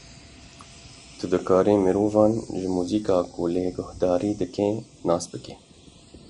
Tu dikarî mirovan ji muzîka ku lê guhdarî dike, nas bikî.